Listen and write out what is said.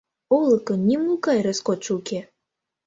Олыкын нимогай роскотшо уке.